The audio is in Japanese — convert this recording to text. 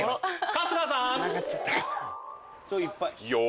春日さん！